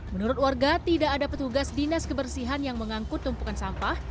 menurut warga tidak ada petugas dinas kebersihan yang mengangkut tumpukan sampah